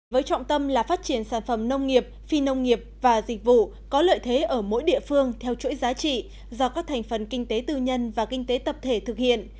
với trọng tâm là phát triển sản phẩm nông nghiệp phi nông nghiệp và dịch vụ có lợi thế ở mỗi địa phương theo chuỗi giá trị do các thành phần kinh tế tư nhân và kinh tế tập thể thực hiện